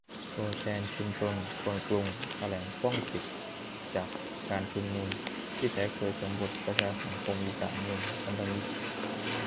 ตัวแทนชุมชนคนกรุงแถลงป้องสิทธิจากการชุมนุม ที่แท้เคยสวมบทประชาสังคมอีสานหนุนพันธมิตร